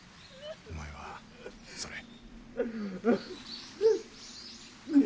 お前はそれ。